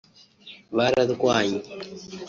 Bararwanye